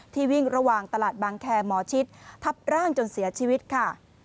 วิ่งระหว่างตลาดบางแคร์หมอชิดทับร่างจนเสียชีวิตค่ะ